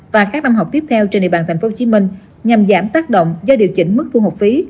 và các năm học tiếp theo trên địa bàn tp hcm nhằm giảm tác động do điều chỉnh mức thu học phí